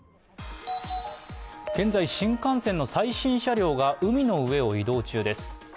現在、新幹線の最新車両が海の上を移動中です。